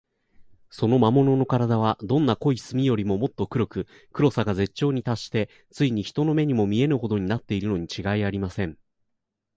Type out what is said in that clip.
その魔物のからだは、どんな濃い墨よりも、もっと黒く、黒さが絶頂にたっして、ついに人の目にも見えぬほどになっているのにちがいありません。